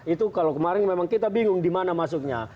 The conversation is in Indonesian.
itu kalau kemarin memang kita bingung di mana masuknya